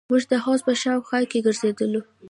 موږ د حوض په شاوخوا کښې ګرځېدلو.